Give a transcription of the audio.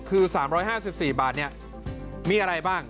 คือ๓๕๔บาทมีอะไรบ้าง